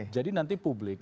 jadi nanti publik